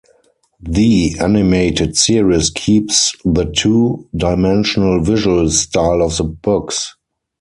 The animated series keeps the two-dimensional visual style of the books.